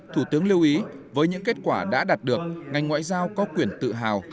thủ tướng lưu ý với những kết quả đã đạt được ngành ngoại giao có quyền tự hào